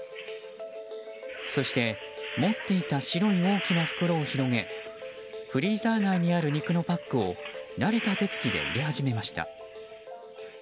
そして持っていた白い大きな袋を広げフリーザー内にある肉のパックを慣れた手つきで入れ始めました。